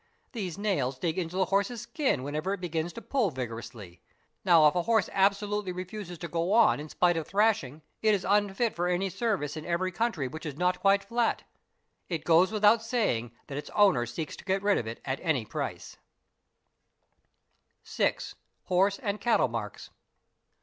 These nails dig into the horse's skin, whenever it begins to pull vigorously. _ Now if a horse absolutely refuses to go on in spite of thrashing, it is unfit _ for any service in every country which is not quite flat. It goes without Lf saying that its owner seeks to get rid of it at any price. | Oe a CR NB AS a a BTR (6) HORSE AND CATTLE MARKS.